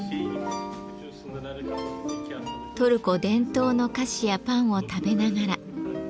トルコ伝統の菓子やパンを食べながら。